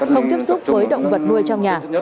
không tiếp xúc với động vật nuôi trong nhà